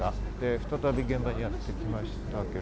再び現場にやってきました。